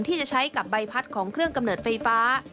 ที่จะใช้กับใบพัดของเครื่องกำเนิดไฟฟ้า